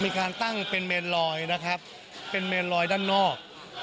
มีการตั้งเป็นเมนลอยนะครับเป็นเมนลอยด้านนอก